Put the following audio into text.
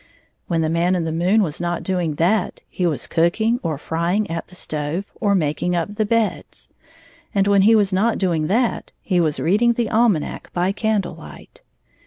When the Man in the moon was not doing that, he was cooking or frying at the stove or making up the beds ; and when he was not doing that, he was reading the ahnanac by candle light.